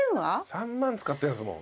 ３万使ってるんですもん。